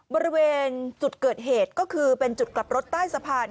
บริเวณจุดเกิดเหตุก็คือเป็นจุดกลับรถใต้สะพาน